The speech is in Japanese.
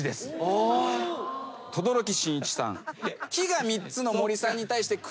「木」が３つの森さんに対して「車」が３つ。